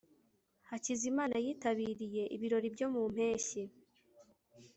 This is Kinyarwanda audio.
hakizimana yitabiriye ibirori byo mu mpeshyi